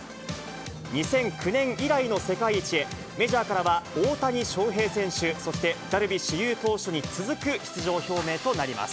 ２００９年以来の世界一へ、メジャーからは大谷翔平選手、そしてダルビッシュ有投手に続く出場表明となります。